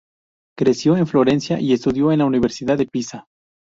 Creció en Florencia y estudió en la Universidad de Pisa.